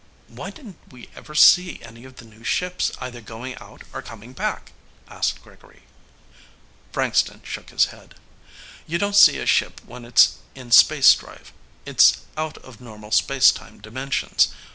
"Why didn't we ever see any of the new ships either going out or coming back?" asked Gregory. Frankston shook his head. "You don't see a ship when it's in spacedrive. It's out of normal space time dimensions.